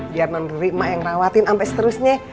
jangan beri mak yang ngerawatin sampai seterusnya